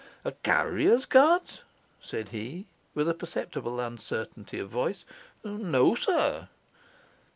'A carrier's cart?' said he, with a perceptible uncertainty of voice. 'No, sir.